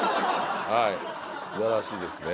はい素晴らしいですね。